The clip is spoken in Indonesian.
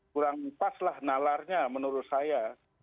kurang pas lah nalarnya menurut saya